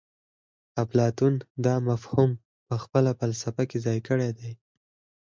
اپلاتون دا مفهوم په خپله فلسفه کې ځای کړی دی